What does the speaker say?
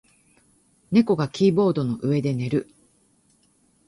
猫がキーボードの上で寝る。